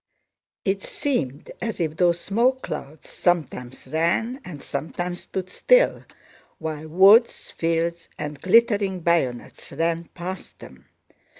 It seemed as if those smoke clouds sometimes ran and sometimes stood still while woods, fields, and glittering bayonets ran past them.